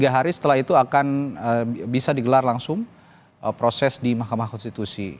tiga hari setelah itu akan bisa digelar langsung proses di mahkamah konstitusi